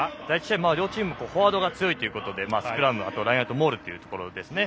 第１試合は両チームフォワードが強いということでスクラム、あとラインアウトモールというところ。